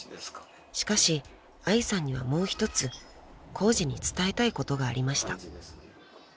［しかし愛さんにはもう一つコウジに伝えたいことがありました］